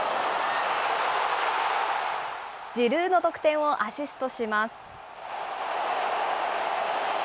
ジルーの得点をアシストします。